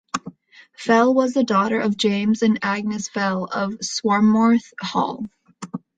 Fell was the daughter of James and Agnes Fell of Swarthmoor Hall.